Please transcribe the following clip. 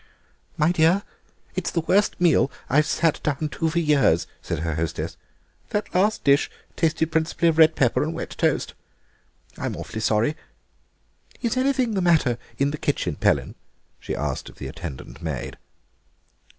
"My dear, it's the worst meal I've sat down to for years," said her hostess; "that last dish tasted principally of red pepper and wet toast. I'm awfully sorry. Is anything the matter in the kitchen, Pellin?" she asked of the attendant maid.